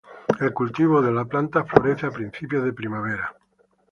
En cultivo la planta florece a principios de primavera.